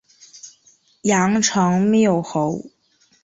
阳城缪侯。